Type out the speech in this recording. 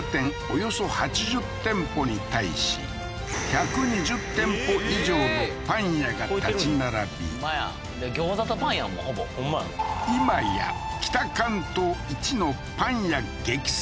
およそ８０店舗に対し１２０店舗以上のパン屋が建ち並びほんまや餃子とパンやん